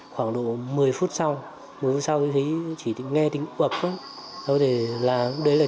khoảng độ một mươi phút sau một mươi phút sau thì thấy chỉ nghe tiếng bậc đó là chôi một đoạn xa lắm không biết gì cả